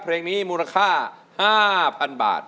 เพลงนี้มูลค่า๕๐๐๐บาท